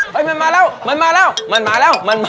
เฮ้ยมันมามันมามันมาแล้ว